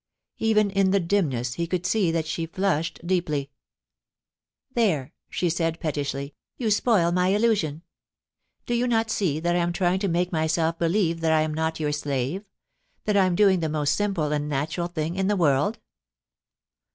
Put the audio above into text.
Even in the dimness, he could see that she flushed deeply. 'There,' said she, pettishly, *you spoil my illusion. Do you not see that I am tr)'ing to make myself believe that I am not your slave — that I am doing the most simple and natural thing in the world